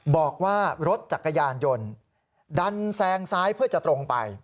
บอกว่ารถจักรยานยนต์ดันแซงซ้ายเพื่อจะตรงไป